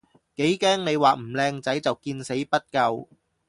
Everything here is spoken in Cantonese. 幾驚你話唔靚仔就見死不救